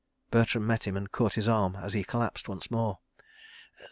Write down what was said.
Bertram met him and caught his arm as he collapsed once more.